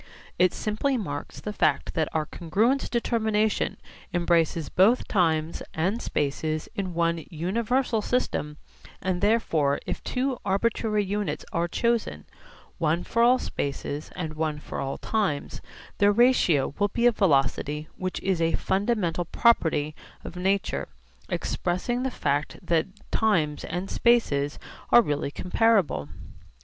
It simply marks the fact that our congruence determination embraces both times and spaces in one universal system, and therefore if two arbitrary units are chosen, one for all spaces and one for all times, their ratio will be a velocity which is a fundamental property of nature expressing the fact that times and spaces are really comparable.